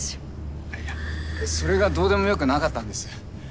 いやそれがどうでもよくなかったんです。